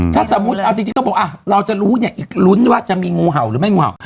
ถ้าสมมุติเอาจริงต้องบอกเราจะรู้เนี่ยลุ้นว่าจะมีงูเห่าหรือไม่งูเห่า